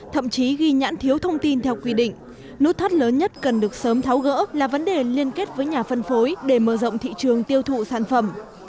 thậm chí ghi nhãn thiếu thông tin theo quy định nút thắt lớn nhất cần được sớm tháo gỡ là vấn đề liên kết với nhà phân phối để mở rộng thị trường tiêu thụ sản phẩm